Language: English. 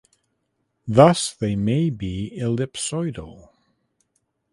Thus they might be ellipsoidal.